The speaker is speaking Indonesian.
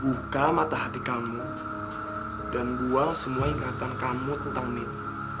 buka mata hati kamu dan dua semua ingatan kamu tentang nin